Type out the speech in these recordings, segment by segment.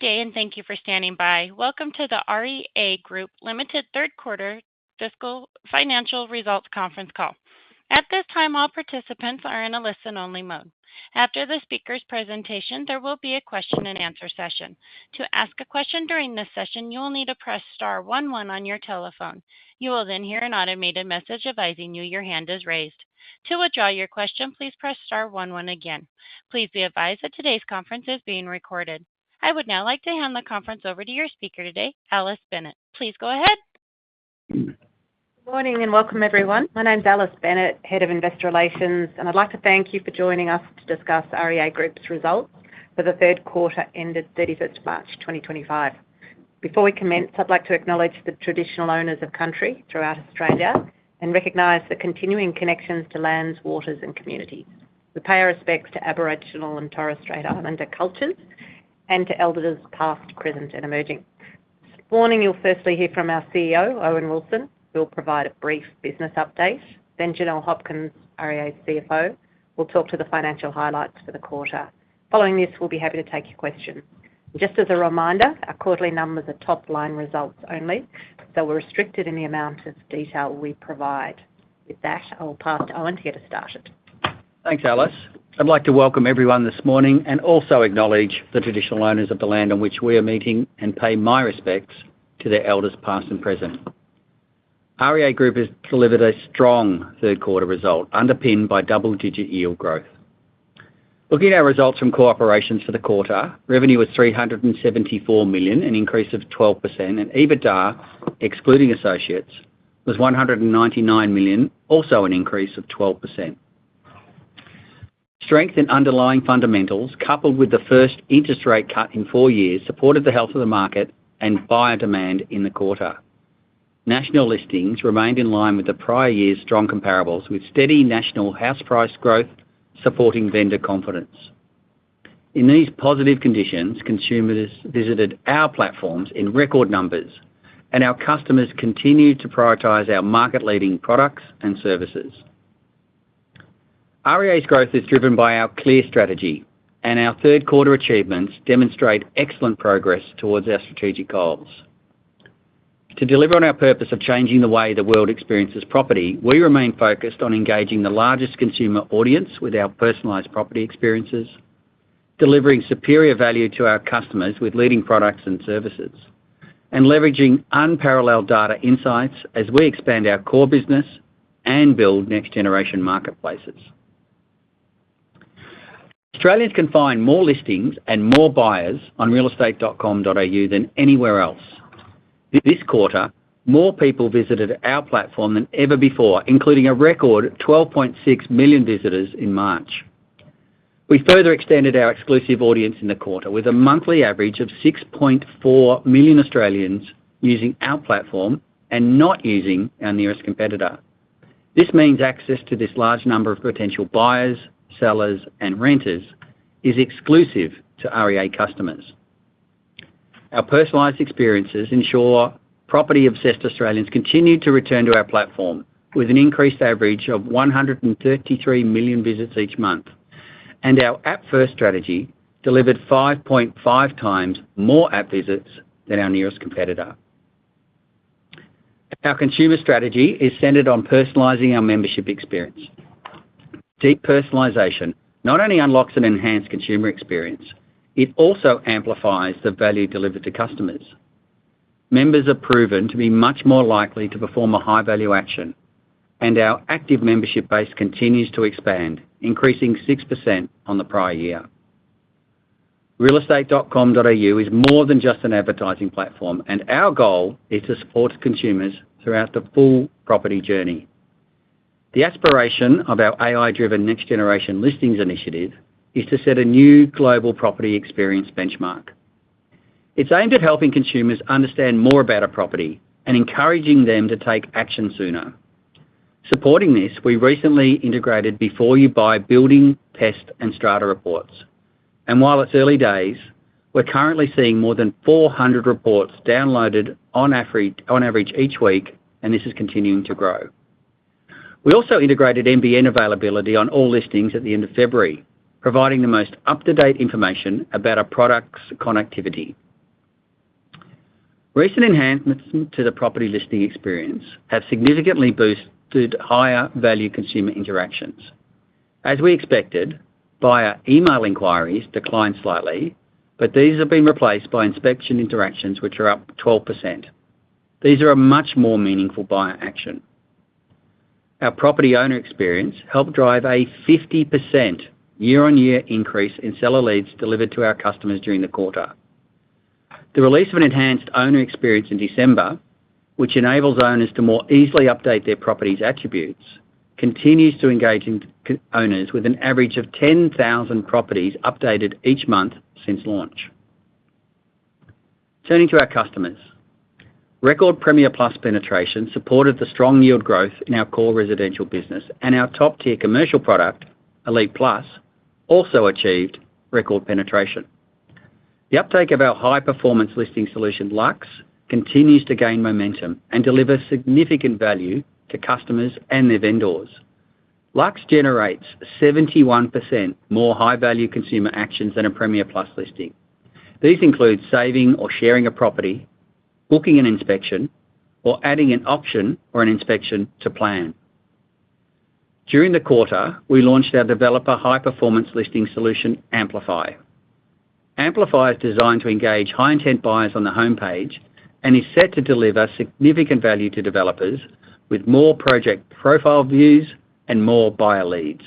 Good day, and thank you for standing by. Welcome to the REA Group Limited Third Quarter Fiscal Financial Results Conference Call. At this time, all participants are in a listen-only mode. After the speaker's presentation, there will be a question-and-answer session. To ask a question during this session, you will need to press star one one on your telephone. You will then hear an automated message advising you your hand is raised. To withdraw your question, please press star one one again. Please be advised that today's conference is being recorded. I would now like to hand the conference over to your speaker today, Alice Bennett. Please go ahead. Good morning and welcome, everyone. My name's Alice Bennett, Head of Investor Relations, and I'd like to thank you for joining us to discuss REA Group's results for the third quarter ended 31st March 2025. Before we commence, I'd like to acknowledge the traditional owners of country throughout Australia and recognize the continuing connections to lands, waters, and communities. We pay our respects to Aboriginal and Torres Strait Islander cultures and to elders past, present, and emerging. This morning, you'll firstly hear from our CEO, Owen Wilson, who will provide a brief business update. Then Janelle Hopkins, REA CFO, will talk to the financial highlights for the quarter. Following this, we'll be happy to take your questions. Just as a reminder, our quarterly numbers are top-line results only, so we're restricted in the amount of detail we provide. With that, I will pass to Owen to get us started. Thanks, Alice. I'd like to welcome everyone this morning and also acknowledge the traditional owners of the land on which we are meeting and pay my respects to their elders past and present. REA Group has delivered a strong third-quarter result, underpinned by double-digit yield growth. Looking at our results from operations for the quarter, revenue was 374 million, an increase of 12%, and EBITDA, excluding associates, was 199 million, also an increase of 12%. Strength in underlying fundamentals, coupled with the first interest rate cut in four years, supported the health of the market and buyer demand in the quarter. National listings remained in line with the prior year's strong comparables, with steady national house price growth supporting vendor confidence. In these positive conditions, consumers visited our platforms in record numbers, and our customers continue to prioritize our market-leading products and services. REA's growth is driven by our clear strategy, and our third-quarter achievements demonstrate excellent progress towards our strategic goals. To deliver on our purpose of changing the way the world experiences property, we remain focused on engaging the largest consumer audience with our personalized property experiences, delivering superior value to our customers with leading products and services, and leveraging unparalleled data insights as we expand our core business and build next-generation marketplaces. Australians can find more listings and more buyers on realestate.com.au than anywhere else. This quarter, more people visited our platform than ever before, including a record 12.6 million visitors in March. We further extended our exclusive audience in the quarter with a monthly average of 6.4 million Australians using our platform and not using our nearest competitor. This means access to this large number of potential buyers, sellers, and renters is exclusive to REA customers. Our personalized experiences ensure property-obsessed Australians continue to return to our platform with an increased average of 133 million visits each month, and our app-first strategy delivered 5.5 times more app visits than our nearest competitor. Our consumer strategy is centered on personalizing our membership experience. Deep personalization not only unlocks an enhanced consumer experience. It also amplifies the value delivered to customers. Members are proven to be much more likely to perform a high-value action, and our active membership base continues to expand, increasing 6% on the prior year. realestate.com.au is more than just an advertising platform, and our goal is to support consumers throughout the full property journey. The aspiration of our AI-driven next-generation listings initiative is to set a new global property experience benchmark. It's aimed at helping consumers understand more about a property and encouraging them to take action sooner. Supporting this, we recently integrated Before You Buy building, pest, and strata reports, and while it's early days, we're currently seeing more than 400 reports downloaded on average each week, and this is continuing to grow. We also integrated NBN availability on all listings at the end of February, providing the most up-to-date information about our product's connectivity. Recent enhancements to the property listing experience have significantly boosted higher-value consumer interactions. As we expected, buyer email inquiries declined slightly, but these have been replaced by inspection interactions, which are up 12%. These are a much more meaningful buyer action. Our property owner experience helped drive a 50% year-on-year increase in seller leads delivered to our customers during the quarter. The release of an enhanced owner experience in December, which enables owners to more easily update their property's attributes, continues to engage owners with an average of 10,000 properties updated each month since launch. Turning to our customers, record Premier Plus penetration supported the strong yield growth in our core residential business, and our top-tier commercial product, Elite Plus, also achieved record penetration. The uptake of our high-performance listing solution, Luxe, continues to gain momentum and deliver significant value to customers and their vendors. Luxe generates 71% more high-value consumer actions than a Premier Plus listing. These include saving or sharing a property, booking an inspection, or adding an option or an inspection to plan. During the quarter, we launched our developer high-performance listing solution, Amplify. Amplify is designed to engage high-intent buyers on the homepage and is set to deliver significant value to developers with more project profile views and more buyer leads.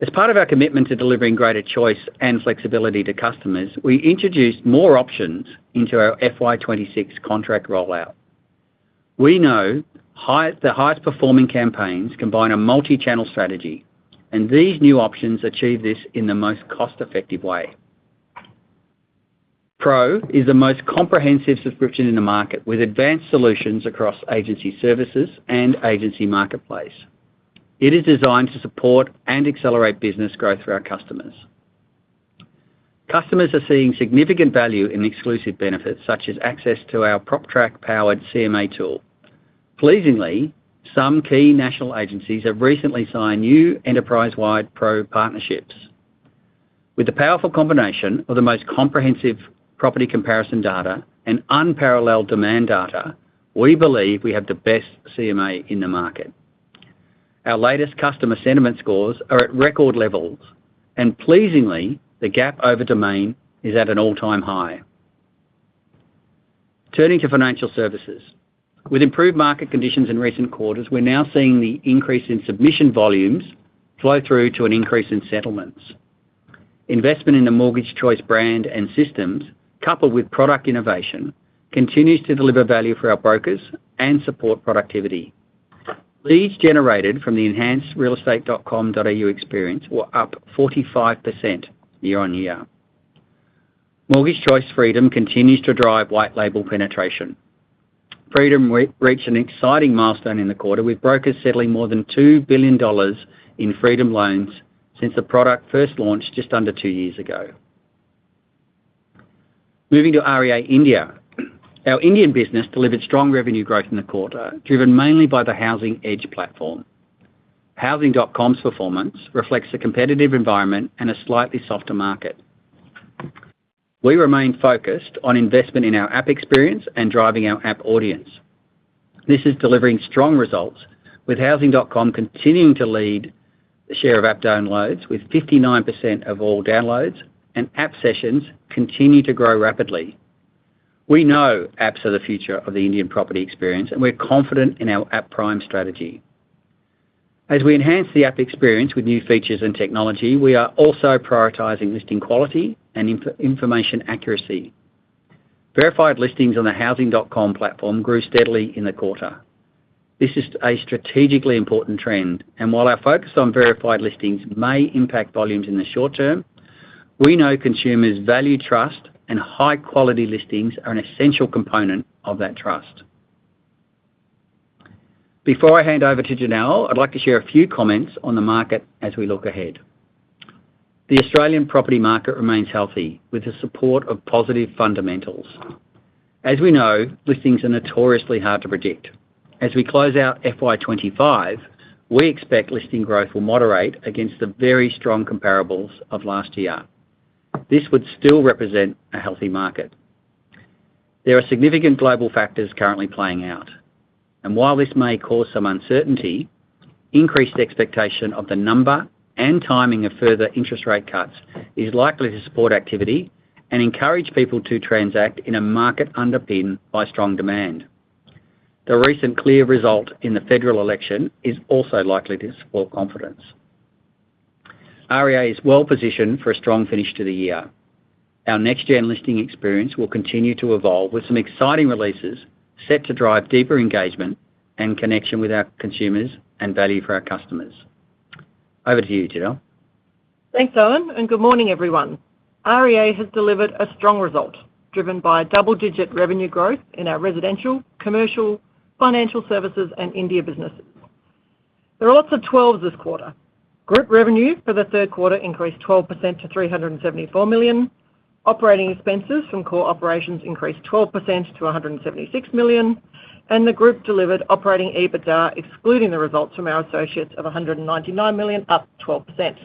As part of our commitment to delivering greater choice and flexibility to customers, we introduced more options into our FY26 contract rollout. We know the highest-performing campaigns combine a multi-channel strategy, and these new options achieve this in the most cost-effective way. Pro is the most comprehensive subscription in the market with advanced solutions across agency services and agency marketplace. It is designed to support and accelerate business growth for our customers. Customers are seeing significant value in exclusive benefits such as access to our PropTrack-powered CMA tool. Pleasingly, some key national agencies have recently signed new enterprise-wide Pro partnerships. With the powerful combination of the most comprehensive property comparison data and unparalleled demand data, we believe we have the best CMA in the market. Our latest customer sentiment scores are at record levels, and pleasingly, the gap over demand is at an all-time high. Turning to financial services, with improved market conditions in recent quarters, we're now seeing the increase in submission volumes flow through to an increase in settlements. Investment in the Mortgage Choice brand and systems, coupled with product innovation, continues to deliver value for our brokers and support productivity. Leads generated from the enhanced realestate.com.au experience were up 45% year-on-year. Mortgage Choice Freedom continues to drive white-label penetration. Freedom reached an exciting milestone in the quarter, with brokers settling more than 2 billion dollars in Freedom loans since the product first launched just under two years ago. Moving to REA India, our Indian business delivered strong revenue growth in the quarter, driven mainly by the Housing Edge platform. Housing.com's performance reflects a competitive environment and a slightly softer market. We remain focused on investment in our app experience and driving our app audience. This is delivering strong results, with Housing.com continuing to lead the share of app downloads, with 59% of all downloads, and app sessions continue to grow rapidly. We know apps are the future of the Indian property experience, and we're confident in our app prime strategy. As we enhance the app experience with new features and technology, we are also prioritizing listing quality and information accuracy. Verified listings on the Housing.com platform grew steadily in the quarter. This is a strategically important trend, and while our focus on verified listings may impact volumes in the short term, we know consumers value trust, and high-quality listings are an essential component of that trust. Before I hand over to Janelle, I'd like to share a few comments on the market as we look ahead. The Australian property market remains healthy with the support of positive fundamentals. As we know, listings are notoriously hard to predict. As we close out FY25, we expect listing growth will moderate against the very strong comparables of last year. This would still represent a healthy market. There are significant global factors currently playing out, and while this may cause some uncertainty, increased expectation of the number and timing of further interest rate cuts is likely to support activity and encourage people to transact in a market underpinned by strong demand. The recent clear result in the federal election is also likely to support confidence. REA is well positioned for a strong finish to the year. Our next-gen listing experience will continue to evolve with some exciting releases set to drive deeper engagement and connection with our consumers and value for our customers. Over to you, Janelle. Thanks, Owen, and good morning, everyone. REA has delivered a strong result, driven by double-digit revenue growth in our residential, commercial, financial services, and India businesses. There are lots of 12s this quarter. Group revenue for the third quarter increased 12% to 374 million. Operating expenses from core operations increased 12% to 176 million, and the group delivered operating EBITDA, excluding the results from our associates, of 199 million, up 12%.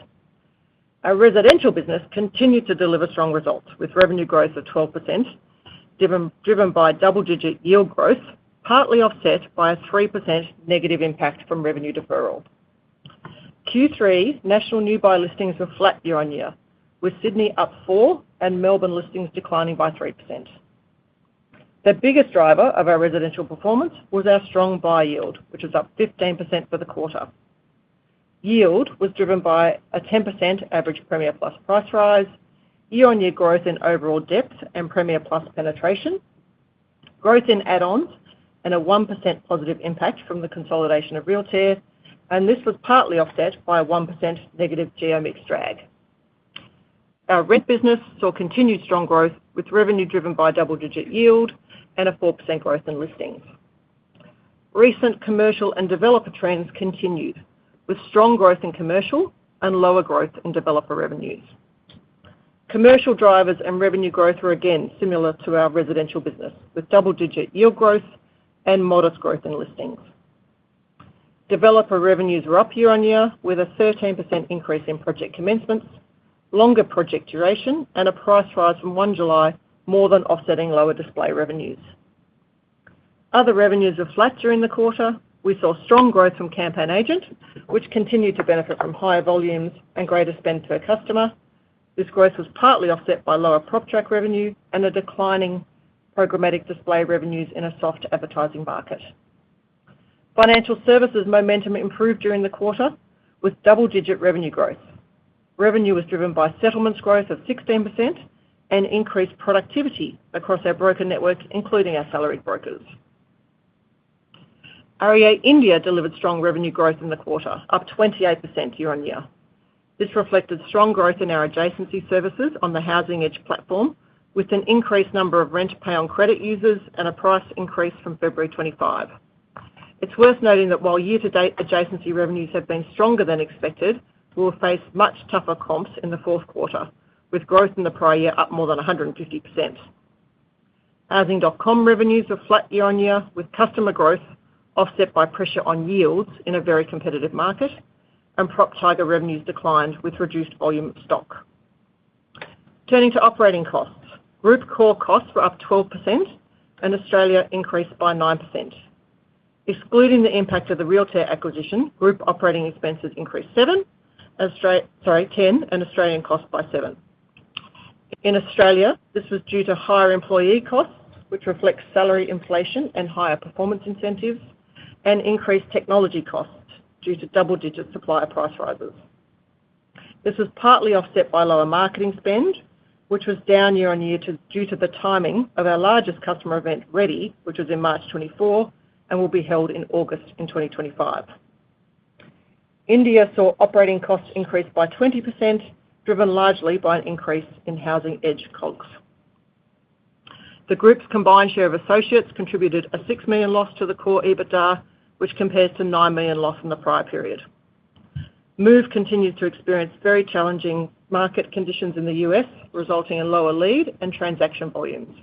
Our residential business continued to deliver strong results with revenue growth of 12%, driven by double-digit yield growth, partly offset by a 3% negative impact from revenue deferral. Q3 national new buy listings were flat year-on-year, with Sydney up 4% and Melbourne listings declining by 3%. The biggest driver of our residential performance was our strong buy yield, which was up 15% for the quarter. Yield was driven by a 10% average Premier Plus price rise, year-on-year growth in overall depth and Premier Plus penetration, growth in add-ons, and a 1%+ve impact from the consolidation of Realtair, and this was partly offset by a 1%-ve geo mix drag. Our rent business saw continued strong growth with revenue driven by double-digit yield and a 4% growth in listings. Recent commercial and developer trends continued with strong growth in commercial and lower growth in developer revenues. Commercial drivers and revenue growth were again similar to our residential business, with double-digit yield growth and modest growth in listings. Developer revenues were up year-on-year with a 13% increase in project commencements, longer project duration, and a price rise from 1 July more than offsetting lower display revenues. Other revenues were flat during the quarter. We saw strong growth from CampaignAgent, which continued to benefit from higher volumes and greater spend per customer. This growth was partly offset by lower PropTrack revenue and the declining programmatic display revenues in a soft advertising market. Financial services momentum improved during the quarter with double-digit revenue growth. Revenue was driven by settlements growth of 16% and increased productivity across our broker network, including our salaried brokers. REA India delivered strong revenue growth in the quarter, up 28% year-on-year. This reflected strong growth in our adjacency services on the Housing Edge platform with an increased number of rent-to-pay-on-credit users and a price increase from February 25. It's worth noting that while year-to-date adjacency revenues have been stronger than expected, we will face much tougher comps in the fourth quarter, with growth in the prior year up more than 150%. Housing.com revenues were flat year-on-year with customer growth offset by pressure on yields in a very competitive market, and PropTiger revenues declined with reduced volume of stock. Turning to operating costs, group core costs were up 12%, and Australia increased by 9%. Excluding the impact of the realtor acquisition, group operating expenses increased 10% and Australian costs by 7%. In Australia, this was due to higher employee costs, which reflects salary inflation and higher performance incentives, and increased technology costs due to double-digit supplier price rises. This was partly offset by lower marketing spend, which was down year-on-year due to the timing of our largest customer event, Ready, which was in March 2024 and will be held in August in 2025. India saw operating costs increase by 20%, driven largely by an increase in Housing Edge COGS. The group's combined share of associates contributed a 6 million loss to the core EBITDA, which compares to 9 million loss in the prior period. Move continues to experience very challenging market conditions in the U.S., resulting in lower lead and transaction volumes.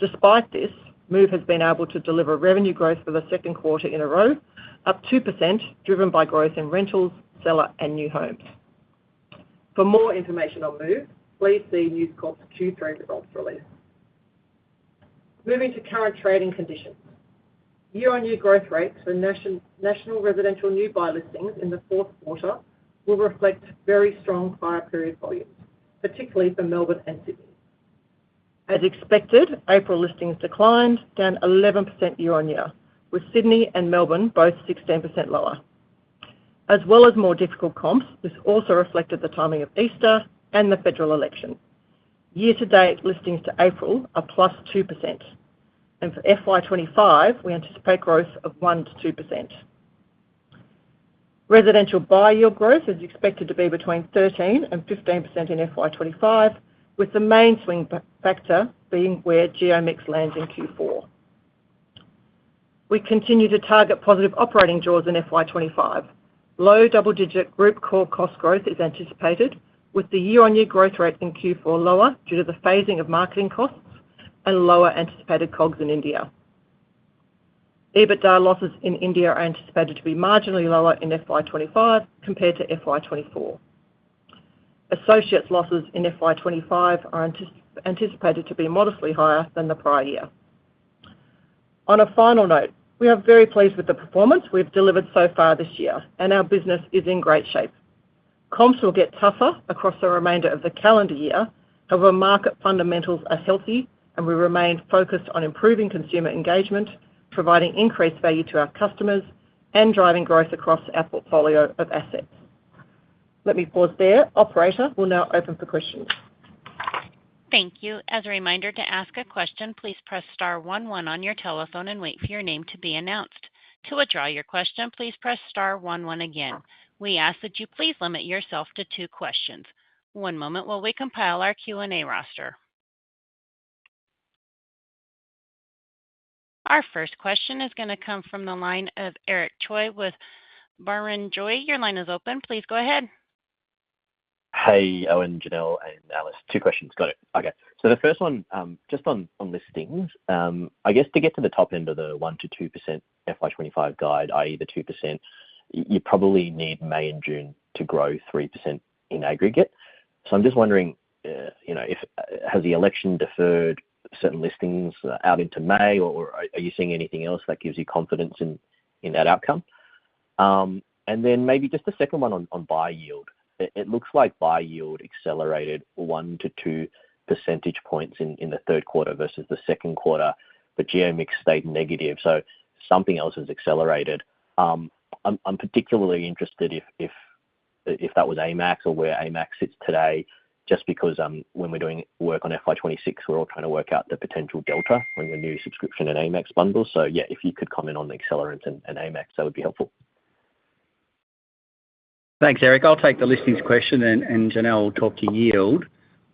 Despite this, Move has been able to deliver revenue growth for the second quarter in a row, up 2%, driven by growth in rentals, seller, and new homes. For more information on Move, please see News Corp's Q3 results release. Moving to current trading conditions. Year-on-year growth rates for national residential new buy listings in the fourth quarter will reflect very strong prior period volumes, particularly for Melbourne and Sydney. As expected, April listings declined, down 11% year-on-year, with Sydney and Melbourne both 16% lower. As well as more difficult comps, this also reflected the timing of Easter and the federal election. Year-to-date listings to April are +2%. For FY25, we anticipate growth of 1%-2%. Residential buy yield growth is expected to be between 13% and 15% in FY25, with the main swing factor being where geo mix lands in Q4. We continue to target positive operating draws in FY25. Low double-digit group core cost growth is anticipated, with the year-on-year growth rate in Q4 lower due to the phasing of marketing costs and lower anticipated COGS in India. EBITDA losses in India are anticipated to be marginally lower in FY25 compared to FY24. Associates losses in FY25 are anticipated to be modestly higher than the prior year. On a final note, we are very pleased with the performance we've delivered so far this year, and our business is in great shape. Comps will get tougher across the remainder of the calendar year. However, market fundamentals are healthy, and we remain focused on improving consumer engagement, providing increased value to our customers, and driving growth across our portfolio of assets. Let me pause there. Operator will now open for questions. Thank you. As a reminder to ask a question, please press star one one on your telephone and wait for your name to be announced. To withdraw your question, please press star one one again. We ask that you please limit yourself to two questions. One moment while we compile our Q&A roster. Our first question is going to come from the line of Eric Choi with Barrenjoey. Your line is open. Please go ahead. Hey, Owen, Janelle, and Alice. Two questions. Got it. Okay. So the first one, just on listings, I guess to get to the top end of the 1%-2% FY25 guide, i.e., the 2%, you probably need May and June to grow 3% in aggregate. So I'm just wondering, has the election deferred certain listings out into May, or are you seeing anything else that gives you confidence in that outcome? And then maybe just the second one on buy yield. It looks like buy yield accelerated 1%-2% points in the third quarter vs the second quarter, but geo mix stayed negative. So something else has accelerated. I'm particularly interested if that was AMAX or where AMAX sits today, just because when we're doing work on FY26, we're all trying to work out the potential delta when we're new subscription and AMAX bundles. So yeah, if you could comment on the acceleration and AMAX, that would be helpful. Thanks, Eric. I'll take the listings question, and Janelle will talk to yield.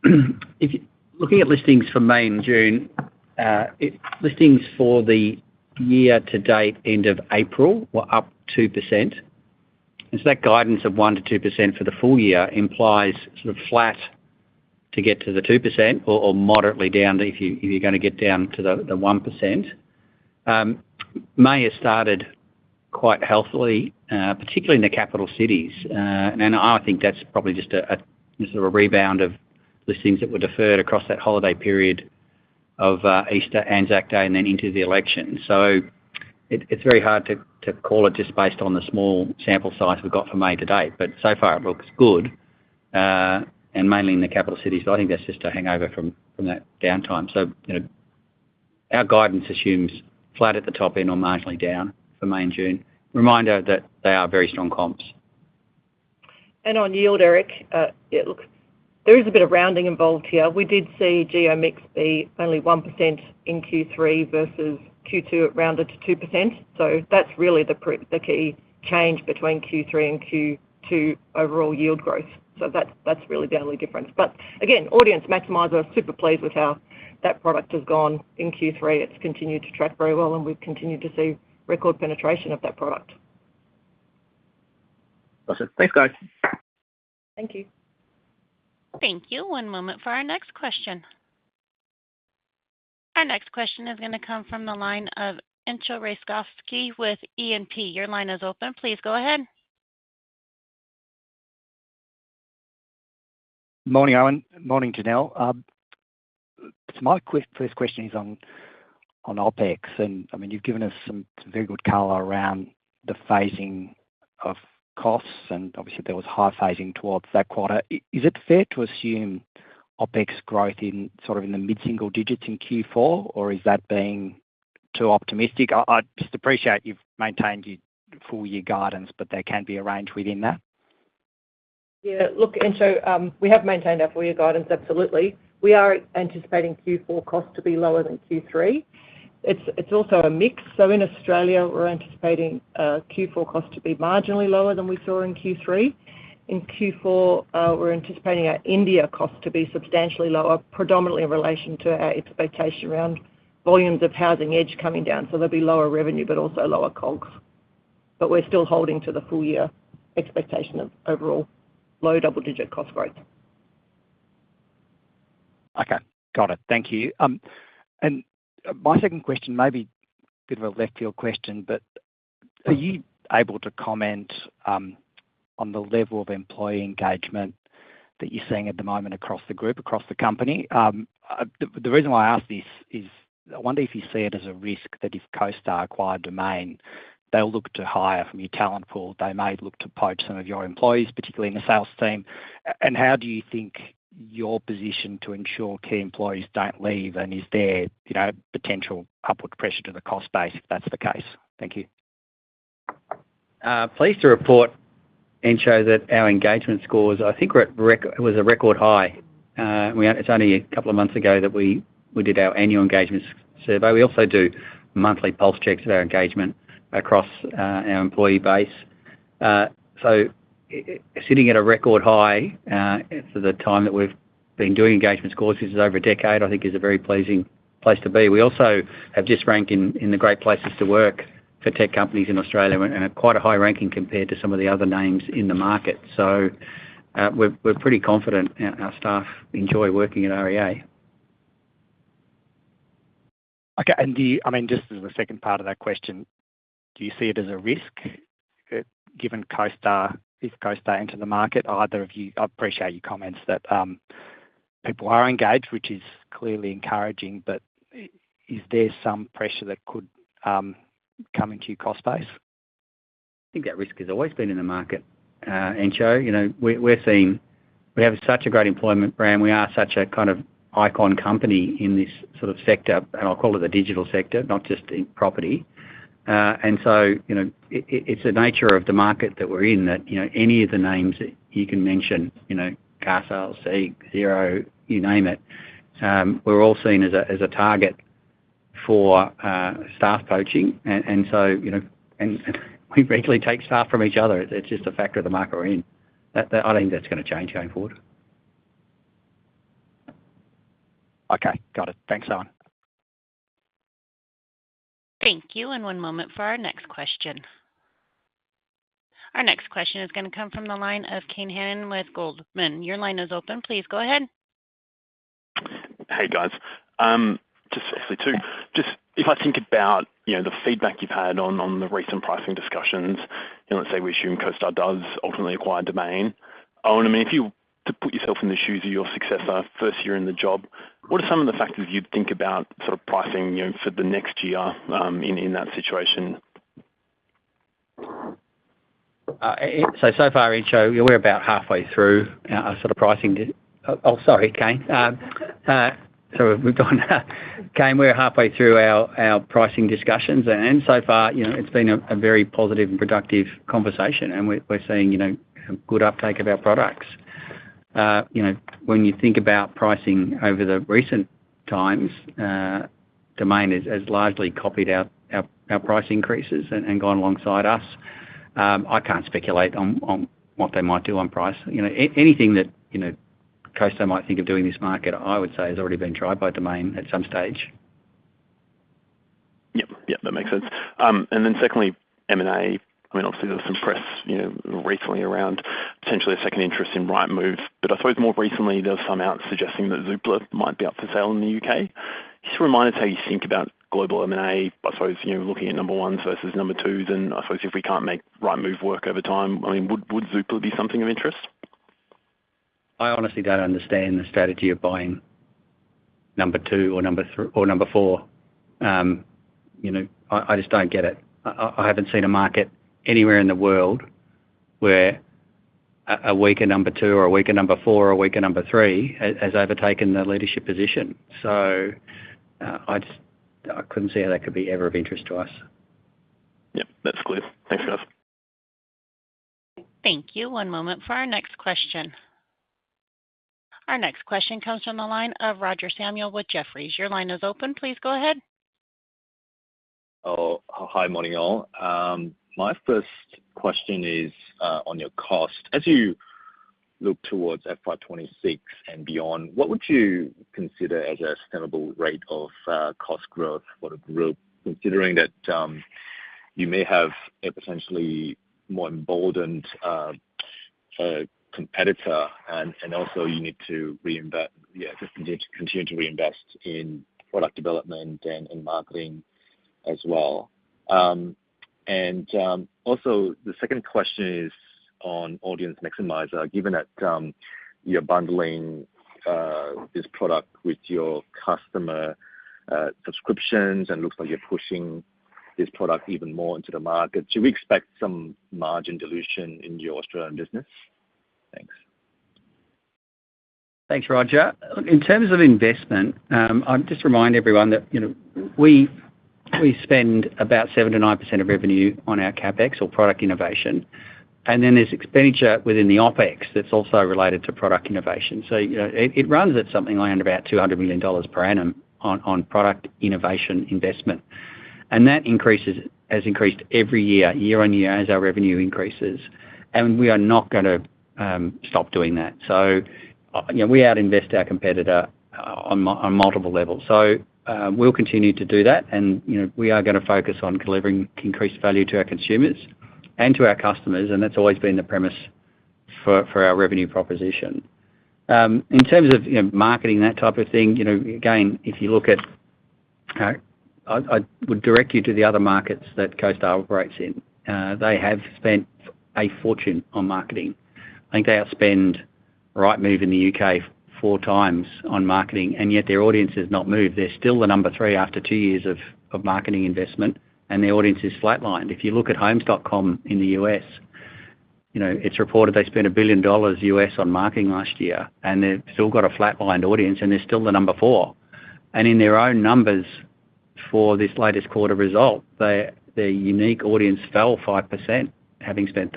Looking at listings for May and June, listings for the year-to-date end of April were up 2%. And so that guidance of 1%-2% for the full year implies sort of flat to get to the 2% or moderately down if you're going to get down to the 1%. May has started quite healthily, particularly in the capital cities. And I think that's probably just a rebound of listings that were deferred across that holiday period of Easter and Anzac Day and then into the election. So it's very hard to call it just based on the small sample size we've got for May to date, but so far it looks good, and mainly in the capital cities. But I think that's just a hangover from that downtime. So our guidance assumes flat at the top end or marginally down for May and June. Reminder that they are very strong comps. On yield, Eric, there is a bit of rounding involved here. We did see geo mix be only 1% in Q3 vs Q2 rounded to 2%. So that's really the key change between Q3 and Q2 overall yield growth. So that's really the only difference. But again, Audience Maximizer is super pleased with how that product has gone in Q3. It's continued to track very well, and we've continued to see record penetration of that product. Awesome. Thanks, guys. Thank you. Thank you. One moment for our next question. Our next question is going to come from the line of Entcho Raykovski with E&P. Your line is open. Please go ahead. Morning, Owen. Morning, Janelle. My first question is on OpEx. And I mean, you've given us some very good color around the phasing of costs, and obviously there was high phasing towards that quarter. Is it fair to assume OpEx growth in sort of the mid-single digits in Q4, or is that being too optimistic? I just appreciate you've maintained your full-year guidance, but there can be a range within that. Yeah. Look, Entcho, we have maintained our full-year guidance, absolutely. We are anticipating Q4 costs to be lower than Q3. It's also a mix. So in Australia, we're anticipating Q4 costs to be marginally lower than we saw in Q3. In Q4, we're anticipating our India costs to be substantially lower, predominantly in relation to our expectation around volumes of Housing Edge coming down. So there'll be lower revenue, but also lower COGS. But we're still holding to the full-year expectation of overall low double-digit cost growth. Okay. Got it. Thank you. And my second question, maybe a bit of a left-field question, but are you able to comment on the level of employee engagement that you're seeing at the moment across the group, across the company? The reason why I ask this is I wonder if you see it as a risk that if CoStar acquire Domain, they'll look to hire from your talent pool, they may look to poach some of your employees, particularly in the sales team. And how do you think your position to ensure key employees don't leave, and is there potential upward pressure to the cost base if that's the case? Thank you. Pleased to report, Entcho, that our engagement scores, I think it was a record high. It's only a couple of months ago that we did our annual engagement survey. We also do monthly pulse checks of our engagement across our employee base, so sitting at a record high for the time that we've been doing engagement scores over a decade, I think is a very pleasing place to be. We also have just ranked in the great places to work for tech companies in Australia and quite a high ranking compared to some of the other names in the market, so we're pretty confident our staff enjoy working at REA. Okay, and I mean, just as the second part of that question, do you see it as a risk given CoStar, if CoStar enter the market? I appreciate your comments that people are engaged, which is clearly encouraging, but is there some pressure that could come into your cost base? I think that risk has always been in the market, Entcho. We're seeing we have such a great employment brand. We are such a kind of icon company in this sort of sector, and I'll call it the digital sector, not just in property. And so it's the nature of the market that we're in that any of the names that you can mention, carsales, SEEK, Xero, you name it, we're all seen as a target for staff poaching. And so we regularly take staff from each other. It's just a factor of the market we're in. I don't think that's going to change going forward. Okay. Got it. Thanks, Owen. Thank you. And one moment for our next question. Our next question is going to come from the line of Kane Hannan with Goldman. Your line is open. Please go ahead. Hey, guys. Just actually two. Just if I think about the feedback you've had on the recent pricing discussions, and let's say we assume CoStar does ultimately acquire Domain. Owen, I mean, if you were to put yourself in the shoes of your successor first year in the job, what are some of the factors you'd think about sort of pricing for the next year in that situation? So far, Entcho, we're about halfway through our sort of pricing. Oh, sorry, Kane. Sorry, we've gone Kane. We're halfway through our pricing discussions, and so far, it's been a very positive and productive conversation, and we're seeing good uptake of our products. When you think about pricing over the recent times, Domain has largely copied our price increases and gone alongside us. I can't speculate on what they might do on price. Anything that CoStar might think of doing in this market, I would say has already been tried by Domain at some stage. Yep. Yep. That makes sense. And then secondly, M&A. I mean, obviously, there was some press recently around potentially some interest in Rightmove. But I suppose more recently, there was some buzz suggesting that Zoopla might be up for sale in the U.K.. Just remind us how you think about global M&A. I suppose looking at number ones vs number twos, and I suppose if we can't make Rightmove work over time, I mean, would Zoopla be something of interest? I honestly don't understand the strategy of buying number two or number four. I just don't get it. I haven't seen a market anywhere in the world where a weaker number two or a weaker number four or a weaker number three has overtaken the leadership position. So I couldn't see how that could be ever of interest to us. Yep. That's clear. Thanks, guys. Thank you. One moment for our next question. Our next question comes from the line of Roger Samuel with Jefferies. Your line is open. Please go ahead. Oh, hi, morning all. My first question is on your cost. As you look towards FY26 and beyond, what would you consider as a sustainable rate of cost growth for the group, considering that you may have a potentially more emboldened competitor, and also you need to continue to reinvest in product development and marketing as well? And also, the second question is on Audience Maximizer. Given that you're bundling this product with your customer subscriptions and looks like you're pushing this product even more into the market, do we expect some margin dilution in your Australian business? Thanks. Thanks, Roger. In terms of investment, I'd just remind everyone that we spend about 7%-9% of revenue on our CapEx or product innovation. And then there's expenditure within the OpEx that's also related to product innovation. So it runs at something around about 200 million dollars per annum on product innovation investment. And that has increased every year, year on year, as our revenue increases. And we are not going to stop doing that. So we outinvest our competitor on multiple levels. So we'll continue to do that, and we are going to focus on delivering increased value to our consumers and to our customers. And that's always been the premise for our revenue proposition. In terms of marketing that type of thing, again, if you look at I would direct you to the other markets that CoStar operates in. They have spent a fortune on marketing. I think they outspend Rightmove in the U.K. four times on marketing, and yet their audience has not moved. They're still the number three after two years of marketing investment, and their audience is flatlined. If you look at Homes.com in the U.S., it's reported they spent $1 billion on marketing last year, and they've still got a flatlined audience, and they're still the number four, and in their own numbers for this latest quarter result, their unique audience fell 5%, having spent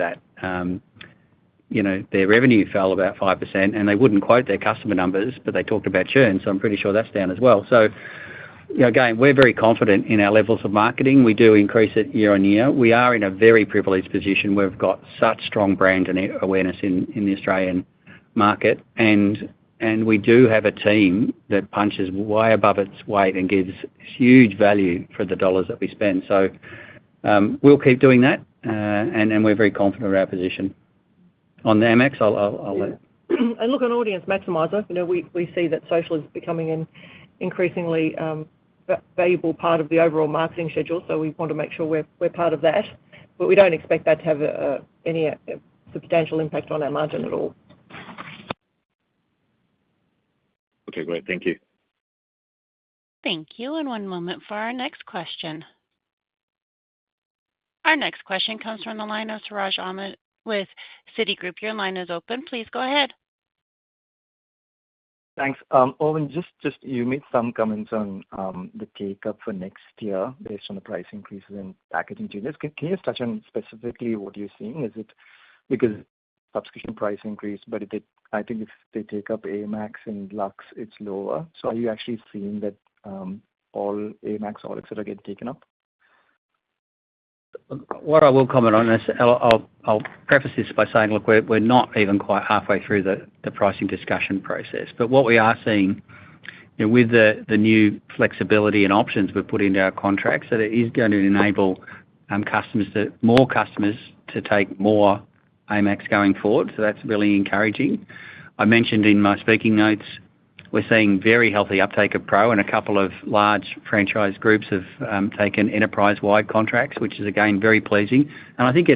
that. Their revenue fell about 5%, and they wouldn't quote their customer numbers, but they talked about churn, so I'm pretty sure that's down as well, so again, we're very confident in our levels of marketing. We do increase it year on year. We are in a very privileged position. We've got such strong brand awareness in the Australian market, and we do have a team that punches way above its weight and gives huge value for the dollars that we spend. So we'll keep doing that, and we're very confident in our position. On the AMAX, I'll let. Look, on Audience Maximizer, we see that social is becoming an increasingly valuable part of the overall marketing schedule, so we want to make sure we're part of that. But we don't expect that to have any substantial impact on our margin at all. Okay. Great. Thank you. Thank you. And one moment for our next question. Our next question comes from the line of Siraj Ahmed with Citi. Your line is open. Please go ahead. Thanks. Owen, just you made some comments on the take-up for next year based on the price increases in package wins. Can you touch on specifically what you're seeing? Because subscription price increased, but I think if they take up AMAX and Luxe, it's lower. So are you actually seeing that all AMAX, all Luxe, etc., get taken up? What I will comment on this, I'll preface this by saying, look, we're not even quite halfway through the pricing discussion process. But what we are seeing with the new flexibility and options we've put into our contracts is that it is going to enable more customers to take more AMAX going forward. So that's really encouraging. I mentioned in my speaking notes, we're seeing very healthy uptake of Pro, and a couple of large franchise groups have taken enterprise-wide contracts, which is, again, very pleasing. And I think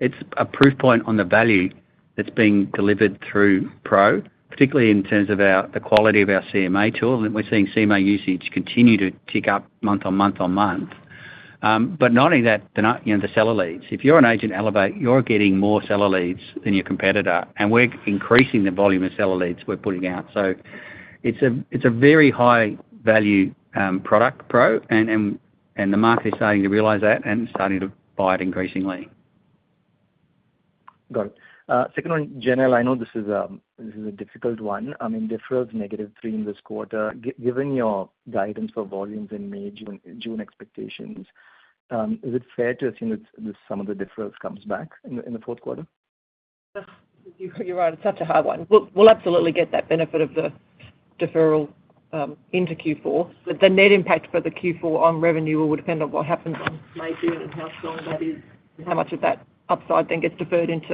it's a proof point on the value that's being delivered through Pro, particularly in terms of the quality of our CMA tool. And we're seeing CMA usage continue to tick up month on month on month. But not only that, the seller leads. If you're an Agent Elevate, you're getting more seller leads than your competitor. And we're increasing the volume of seller leads we're putting out. So it's a very high-value product, Pro, and the market is starting to realize that and starting to buy it increasingly. Got it. Second one, Janelle, I know this is a difficult one. I mean, deferrals negative three in this quarter. Given your guidance for volumes and June expectations, is it fair to assume that some of the deferrals come back in the fourth quarter? You're right. It's such a hard one. We'll absolutely get that benefit of the deferral into Q4. But the net impact for the Q4 on revenue will depend on what happens in May, June, and how strong that is and how much of that upside then gets deferred into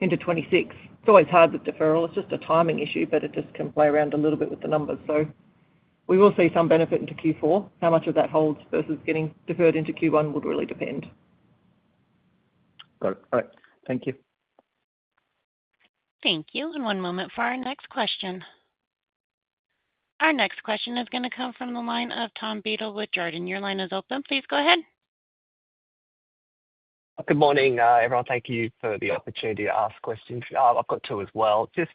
2026. It's always hard with deferral. It's just a timing issue, but it just can play around a little bit with the numbers. So we will see some benefit into Q4. How much of that holds versus getting deferred into Q1 would really depend. Got it. All right. Thank you. Thank you. And one moment for our next question. Our next question is going to come from the line of Tom Beadle with Jarden. Your line is open. Please go ahead. Good morning, everyone. Thank you for the opportunity to ask questions. I've got two as well. Just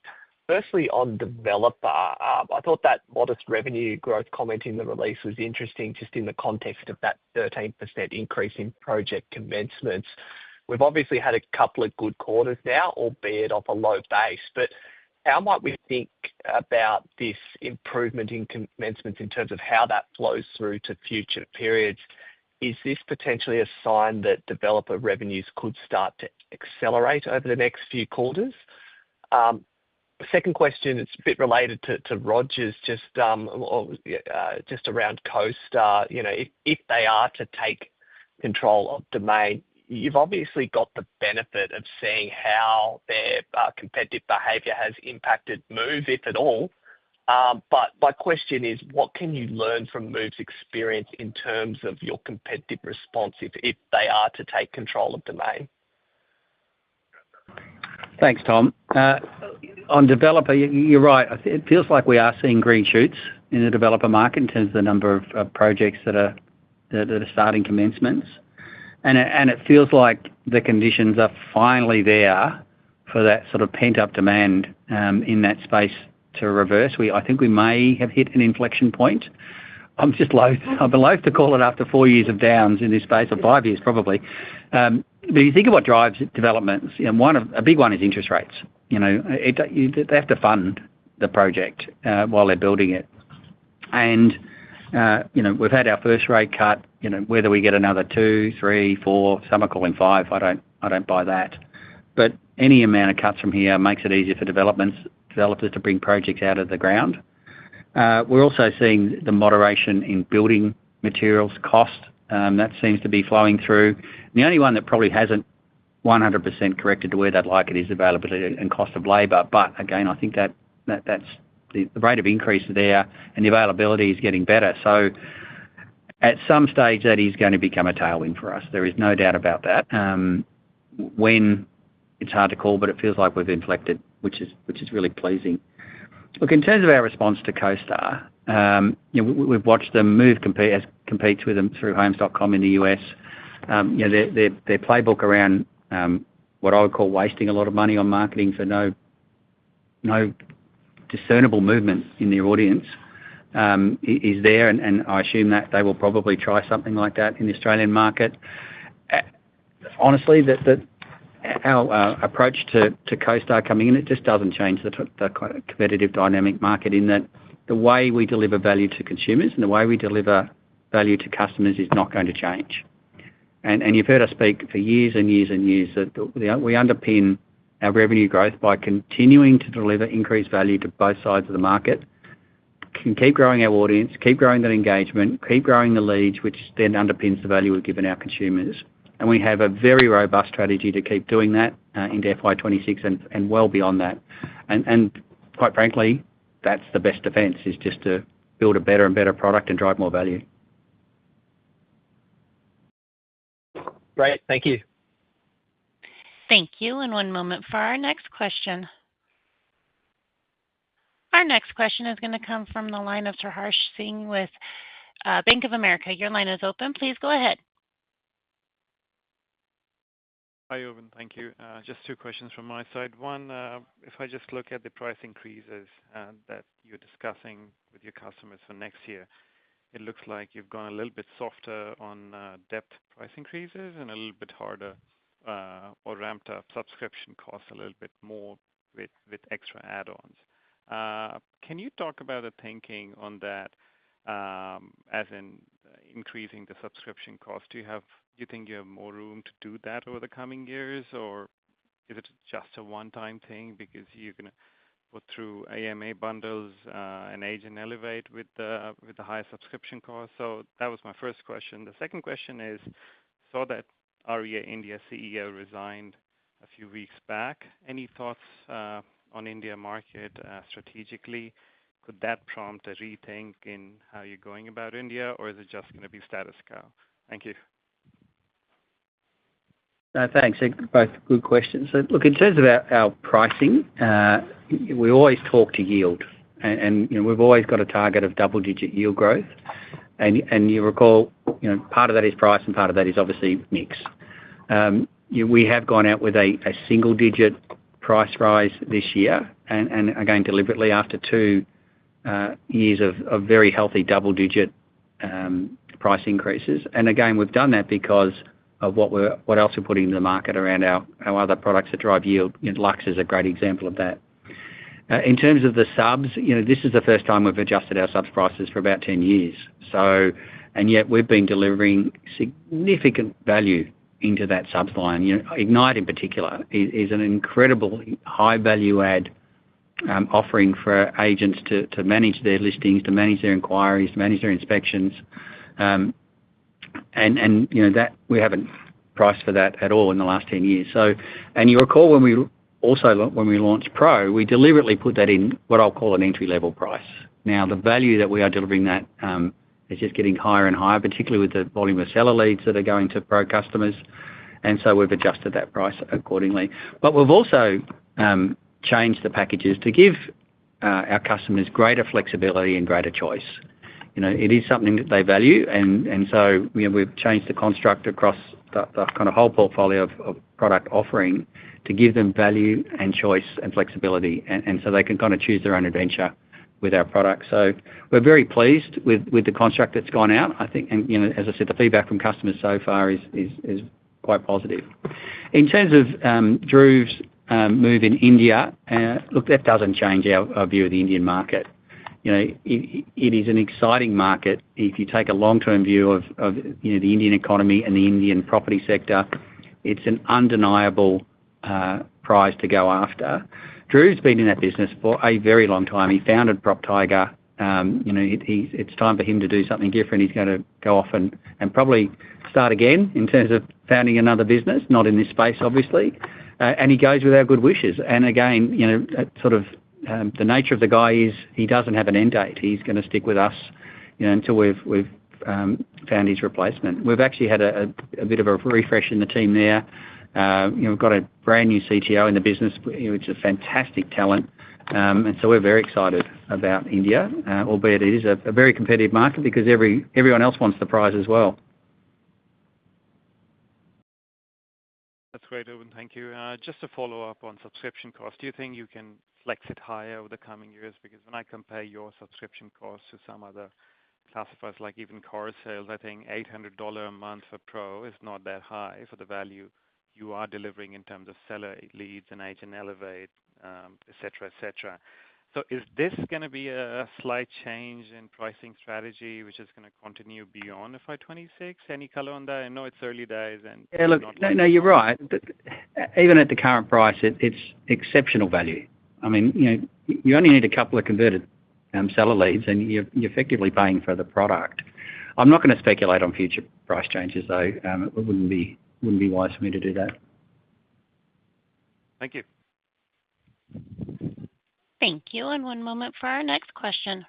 firstly, on developer, I thought that modest revenue growth comment in the release was interesting just in the context of that 13% increase in project commencements. We've obviously had a couple of good quarters now, albeit off a low base. But how might we think about this improvement in commencements in terms of how that flows through to future periods? Is this potentially a sign that developer revenues could start to accelerate over the next few quarters? Second question, it's a bit related to Roger's just around CoStar. If they are to take control of Domain, you've obviously got the benefit of seeing how their competitive behavior has impacted Move, if at all. But my question is, what can you learn from Move's experience in terms of your competitive response if they are to take control of Domain? Thanks, Tom. On developer, you're right. It feels like we are seeing green shoots in the developer market in terms of the number of projects that are starting commencements, and it feels like the conditions are finally there for that sort of pent-up demand in that space to reverse. I think we may have hit an inflection point. I'm just loath to call it after four years of downs in this space or five years, probably, but you think of what drives developments, a big one is interest rates. They have to fund the project while they're building it, and we've had our first rate cut. Whether we get another two, three, four, some are calling five, I don't buy that, but any amount of cuts from here makes it easier for developers to bring projects out of the ground. We're also seeing the moderation in building materials cost. That seems to be flowing through. The only one that probably hasn't 100% corrected to where they'd like it is availability and cost of labor. But again, I think that the rate of increase there and the availability is getting better. So at some stage, that is going to become a tailwind for us. There is no doubt about that. When it's hard to call, but it feels like we've inflected, which is really pleasing. Look, in terms of our response to CoStar, we've watched them move and compete with them through Homes.com in the U.S. Their playbook around what I would call wasting a lot of money on marketing for no discernible movement in their audience is there. And I assume that they will probably try something like that in the Australian market. Honestly, our approach to CoStar coming in, it just doesn't change the competitive dynamic market in that the way we deliver value to consumers and the way we deliver value to customers is not going to change. And you've heard us speak for years and years and years that we underpin our revenue growth by continuing to deliver increased value to both sides of the market, can keep growing our audience, keep growing that engagement, keep growing the leads, which then underpins the value we've given our consumers. And we have a very robust strategy to keep doing that in FY26 and well beyond that. And quite frankly, that's the best defense, is just to build a better and better product and drive more value. Great. Thank you. Thank you. And one moment for our next question. Our next question is going to come from the line of Saurabh Singh with Bank of America. Your line is open. Please go ahead. Hi, Owen. Thank you. Just two questions from my side. One, if I just look at the price increases that you're discussing with your customers for next year, it looks like you've gone a little bit softer on ad price increases and a little bit harder or ramped up subscription costs a little bit more with extra add-ons. Can you talk about the thinking on that, as in increasing the subscription cost? Do you think you have more room to do that over the coming years, or is it just a one-time thing because you're going to put through AMA bundles and Agent Elevate with the higher subscription costs? So that was my first question. The second question is, saw that REA India CEO resigned a few weeks back. Any thoughts on India market strategically? Could that prompt a rethink in how you're going about India, or is it just going to be status quo? Thank you. Thanks. Both good questions. Look, in terms of our pricing, we always talk to yield. And we've always got a target of double-digit yield growth. And you recall part of that is price and part of that is obviously mix. We have gone out with a single-digit price rise this year and again, deliberately after two years of very healthy double-digit price increases. And again, we've done that because of what else we're putting into the market around our other products that drive yield. Luxe is a great example of that. In terms of the subs, this is the first time we've adjusted our subs prices for about 10 years. And yet, we've been delivering significant value into that subs line. Ignite in particular is an incredible high-value-add offering for agents to manage their listings, to manage their inquiries, to manage their inspections. And we haven't priced for that at all in the last 10 years. And you recall when we also launched Pro, we deliberately put that in what I'll call an entry-level price. Now, the value that we are delivering that is just getting higher and higher, particularly with the volume of seller leads that are going to Pro customers. And so we've adjusted that price accordingly. But we've also changed the packages to give our customers greater flexibility and greater choice. It is something that they value. And so we've changed the construct across the kind of whole portfolio of product offering to give them value and choice and flexibility, and so they can kind of choose their own adventure with our product. So we're very pleased with the construct that's gone out. I think, as I said, the feedback from customers so far is quite positive. In terms of Dhruv's move in India, look, that doesn't change our view of the Indian market. It is an exciting market. If you take a long-term view of the Indian economy and the Indian property sector, it's an undeniable prize to go after. Dhruv's been in that business for a very long time. He founded PropTiger. It's time for him to do something different. He's going to go off and probably start again in terms of founding another business, not in this space, obviously. And he goes with our good wishes. And again, sort of the nature of the guy is he doesn't have an end date. He's going to stick with us until we've found his replacement. We've actually had a bit of a refresh in the team there. We've got a brand new CTO in the business, which is a fantastic talent. And so we're very excited about India, albeit it is a very competitive market because everyone else wants a piece as well. That's great, Owen. Thank you. Just to follow up on subscription cost, do you think you can flex it higher over the coming years? Because when I compare your subscription costs to some other classifiers, like even carsales, I think 800 dollar a month for Pro is not that high for the value you are delivering in terms of seller leads and Agent Elevate, etc., etc. So is this going to be a slight change in pricing strategy, which is going to continue beyond FY26? Any color on that? I know it's early days, and. Look, no, you're right. Even at the current price, it's exceptional value. I mean, you only need a couple of converted seller leads, and you're effectively paying for the product. I'm not going to speculate on future price changes, though. It wouldn't be wise for me to do that. Thank you. Thank you. And one moment for our next question.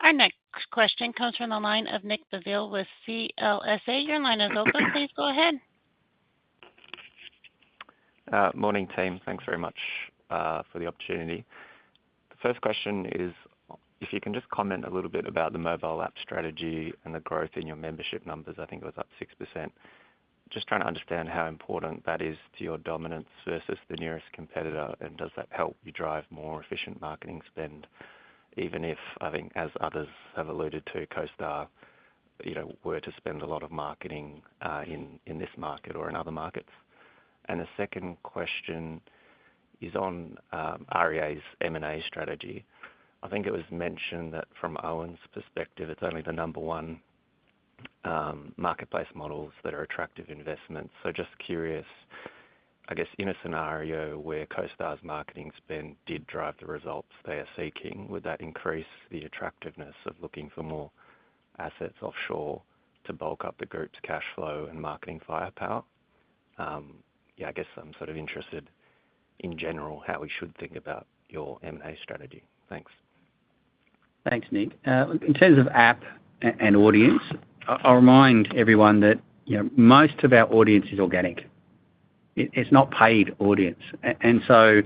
Our next question comes from the line of Nick Basile with CLSA. Your line is open. Please go ahead. Morning, team. Thanks very much for the opportunity. The first question is, if you can just comment a little bit about the mobile app strategy and the growth in your membership numbers. I think it was up 6%. Just trying to understand how important that is to your dominance vs the nearest competitor, and does that help you drive more efficient marketing spend, even if, I think, as others have alluded to, CoStar were to spend a lot of marketing in this market or in other markets? And the second question is on REA's M&A strategy. I think it was mentioned that from Owen's perspective, it's only the number one marketplace models that are attractive investments. Just curious, I guess, in a scenario where CoStar's marketing spend did drive the results they are seeking, would that increase the attractiveness of looking for more assets offshore to bulk up the group's cash flow and marketing firepower? Yeah, I guess I'm sort of interested in general how we should think about your M&A strategy. Thanks. Thanks, Nick. In terms of app and audience, I'll remind everyone that most of our audience is organic. It's not paid audience, and so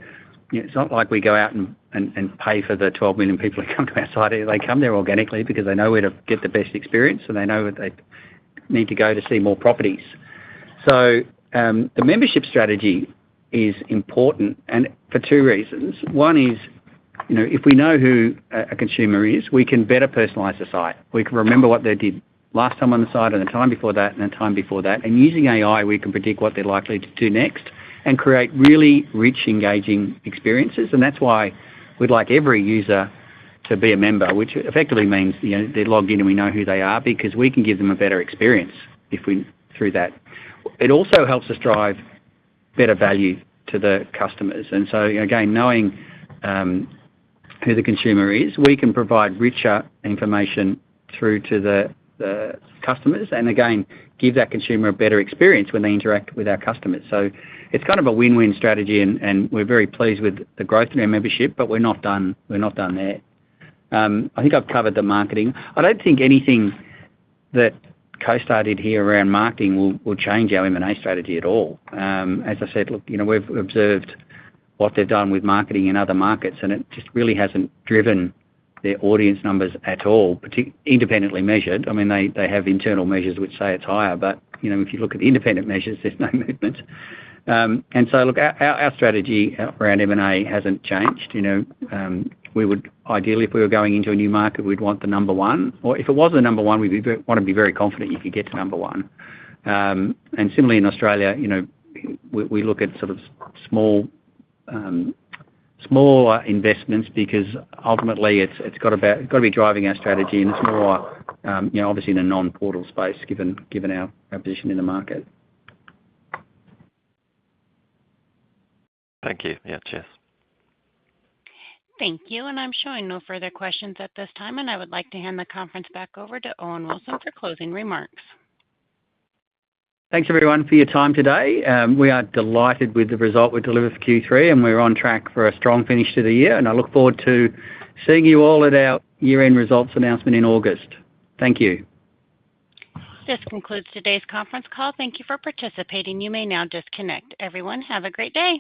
it's not like we go out and pay for the 12 million people who come to our site. They come there organically because they know where to get the best experience, and they know that they need to go to see more properties, so the membership strategy is important for two reasons. One is if we know who a consumer is, we can better personalize the site. We can remember what they did last time on the site and the time before that and the time before that, and using AI, we can predict what they're likely to do next and create really rich, engaging experiences. That's why we'd like every user to be a member, which effectively means they're logged in and we know who they are because we can give them a better experience through that. It also helps us drive better value to the customers. Knowing who the consumer is, we can provide richer information through to the customers and give that consumer a better experience when they interact with our customers. It's kind of a win-win strategy, and we're very pleased with the growth in our membership, but we're not done there. I think I've covered the marketing. I don't think anything that CoStar did here around marketing will change our M&A strategy at all. As I said, look, we've observed what they've done with marketing in other markets, and it just really hasn't driven their audience numbers at all, independently measured. I mean, they have internal measures which say it's higher, but if you look at the independent measures, there's no movement, and so look, our strategy around M&A hasn't changed. Ideally, if we were going into a new market, we'd want the number one, or if it was the number one, we'd want to be very confident you could get to number one, and similarly, in Australia, we look at sort of smaller investments because ultimately, it's got to be driving our strategy, and it's more obviously in a non-portal space given our position in the market. Thank you. Yeah, Cheers. Thank you, and I'm showing no further questions at this time, and I would like to hand the conference back over to Owen Wilson for closing remarks. Thanks, everyone, for your time today. We are delighted with the result we delivered for Q3, and we're on track for a strong finish to the year, and I look forward to seeing you all at our year-end results announcement in August. Thank you. This concludes today's conference call. Thank you for participating. You may now disconnect. Everyone, have a great day.